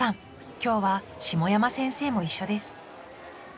今日は下山先生も一緒です。